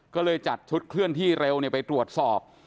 ก็เลยจัดชุดเคลื่อนที่เร็วไปตรวจสอบ